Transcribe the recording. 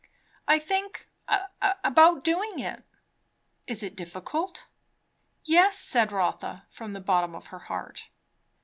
"I think about doing it." "Is it difficult?" "Yes," said Rotha from the bottom of her heart.